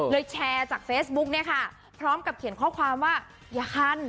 แชร์จากเฟซบุ๊กเนี่ยค่ะพร้อมกับเขียนข้อความว่าอย่าคัน